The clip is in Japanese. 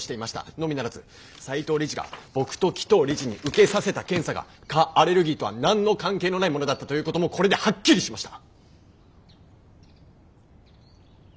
のみならず斎藤理事が僕と鬼頭理事に受けさせた検査が蚊アレルギーとは何の関係のないものだったということもこれではっきりしました。